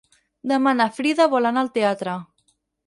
Demà na Frida vol anar al teatre.